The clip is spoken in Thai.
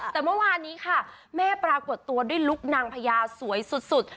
แต่เมื่อวานนี้ค่ะแม่ปรากฏตัวด้วยลุคนางพญาสวยสุด